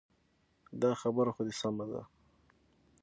دا خبره خو دې سمه ده.